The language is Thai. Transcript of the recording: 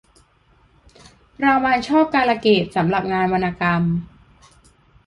รางวัลช่อการะเกดสำหรับงานวรรณกรรม